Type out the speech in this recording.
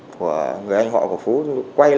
của người anh họ của phú